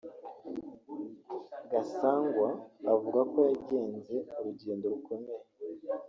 Gasangwa avuga ko yagenze urugendo rukomeye